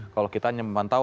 kalau kita hanya memantau